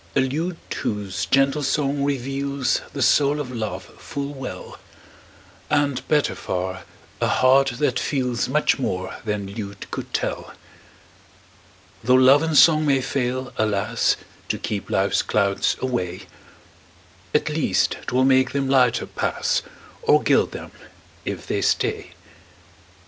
A lute whose gentle song reveals The soul of love full well; And, better far, a heart that feels Much more than lute could tell. Tho' love and song may fail, alas! To keep life's clouds away, At least 'twill make them lighter pass, Or gild them if they stay.